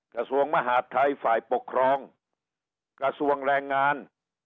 กระทรวงมหาดไทยฝ่ายปกครองกระทรวงแรงงาน